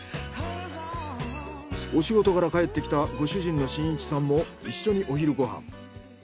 お仕事から帰ってきたご主人の伸一さんも一緒にお昼ご飯。